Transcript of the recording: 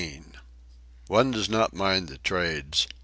One does not mind the trades.